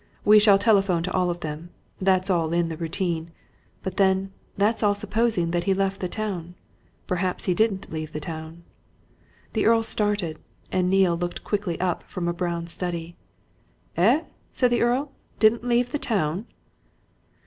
We shall telephone to all of them. That's all in the routine. But then, that's all supposing that he left the town. Perhaps he didn't leave the town." The Earl started, and Neale looked quickly up from a brown study. "Eh?" said the Earl. "Didn't leave the town?"